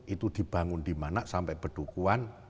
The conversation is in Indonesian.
itu dibangun dimana sampai berdukuan